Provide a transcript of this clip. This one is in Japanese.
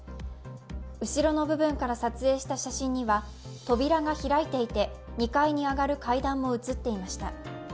後ろの部分から撮影した写真には、扉が開いていて、２階に上がる階段も写っていました。